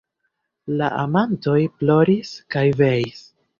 La amantoj ploris kaj veis.